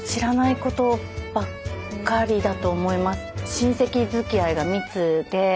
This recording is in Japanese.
親戚づきあいが密で。